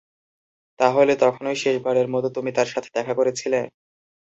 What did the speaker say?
তাহলে, তখনই শেষবারের মতো তুমি তার সাথে দেখা করেছিলে?